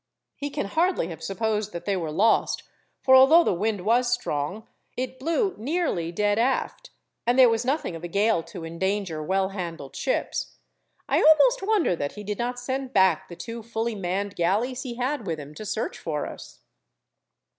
He can hardly have supposed that they were lost, for although the wind was strong, it blew nearly dead aft, and there was nothing of a gale to endanger well handled ships. I almost wonder that he did not send back the two fully manned galleys he had with him, to search for us."